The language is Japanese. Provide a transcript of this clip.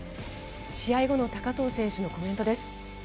試合後の高藤選手のコメントです。